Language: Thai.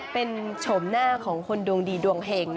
เป็นโฉมหน้าของคนดวงดีดวงเห็ง